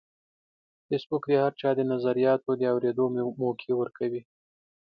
فېسبوک د هر چا د نظریاتو د اورېدو موقع ورکوي